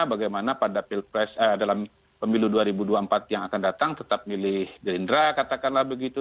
bagaimana dalam pemilu dua ribu dua puluh empat yang akan datang tetap milih gerindra katakanlah begitu